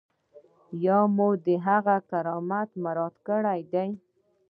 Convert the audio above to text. یا مو د هغه کرامت مراعات کړی دی.